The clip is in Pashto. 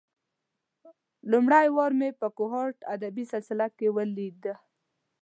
لومړۍ وار مې په کوهاټ ادبي سلسله کې ولېده.